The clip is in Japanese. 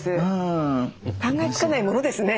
考えつかないものですね。